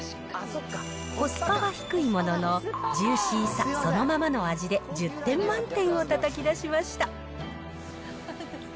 コスパは低いものの、ジューシーさ、そのままの味で１０点満点をたたき出しました。